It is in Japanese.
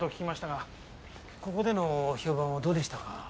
ここでの評判はどうでしたか？